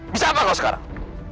bisa apa kau sekarang